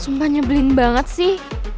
sumpah nyebelin banget sih